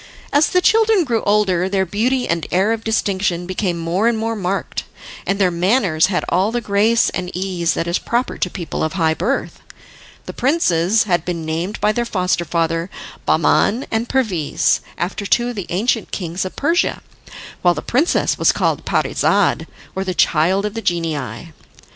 As the children grew older their beauty and air of distinction became more and more marked, and their manners had all the grace and ease that is proper to people of high birth. The princes had been named by their foster father Bahman and Perviz, after two of the ancient kings of Persia, while the princess was called Parizade, or the child of the genii.